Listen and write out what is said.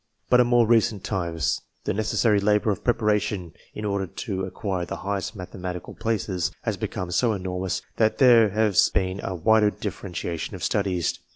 But in more recent times, the necessary labour of preparation, in order to acquire the highest mathematical places, has become so enormous that there has been a wider differentiation of studies.